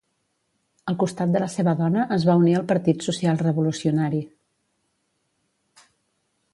Al costat de la seva dona es va unir al Partit Social-Revolucionari.